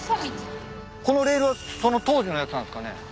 このレールはその当時のやつなんすかね？